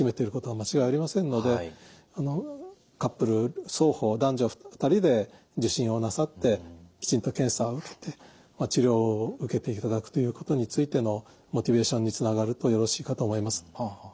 カップル双方男女２人で受診をなさってきちんと検査を受けて治療を受けていただくということについてのモチベーションにつながるとよろしいかと思います。